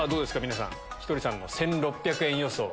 皆さんひとりさんの１６００円予想。